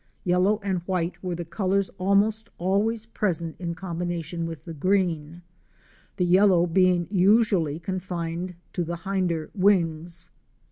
Yellow and white were the colors almost always present in combination with the green, the yellow being usually con fined to the hinder wings.